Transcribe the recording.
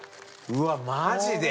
うわっマジで！